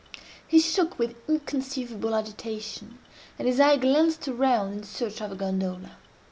He shook with inconceivable agitation, and his eye glanced around in search of a gondola.